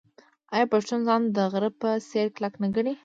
آیا پښتون ځان د غره په څیر کلک نه ګڼي؟